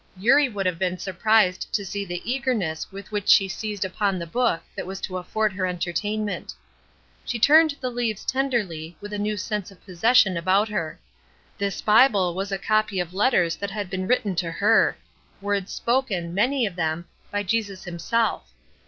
Eurie would have been surprised to see the eagerness with which she seized upon the book that was to afford her entertainment. She turned the leaves tenderly, with a new sense of possession about her. This Bible was a copy of letters that had been written to her words spoken, many of them, by Jesus himself.